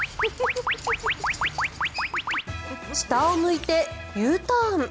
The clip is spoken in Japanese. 下を向いてＵターン。